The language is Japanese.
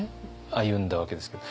歩んだわけですけど。